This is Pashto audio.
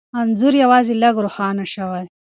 انځور یوازې لږ روښانه شوی،